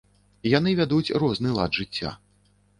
Яны вядуць розны лад жыцця.